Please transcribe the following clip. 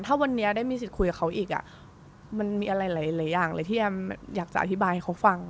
ถ้าวันนี้ได้มีสิทธิ์คุยกับเขาอีกมันมีอะไรหลายอย่างเลยที่แอมอยากจะอธิบายให้เขาฟัง